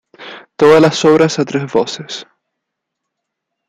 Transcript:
Todas las obras a tres voces.